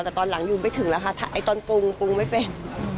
แต่ตอนหลังอยู่ไม่ถึงแล้วค่ะไอ้ตอนปรุงปรุงไม่เป็น